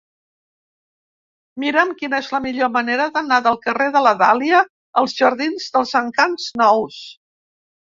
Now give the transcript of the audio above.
Mira'm quina és la millor manera d'anar del carrer de la Dàlia als jardins dels Encants Nous.